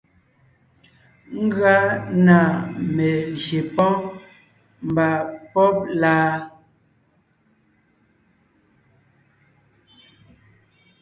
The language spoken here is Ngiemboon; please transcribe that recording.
Ngʉa na melyè pɔ́ɔn mba pɔ́b la.